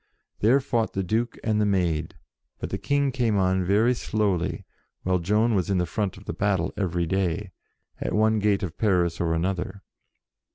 There fought the Duke and the Maid, but the King came on very slowly, while Joan was in the front of battle every day, at one gate of Paris or another.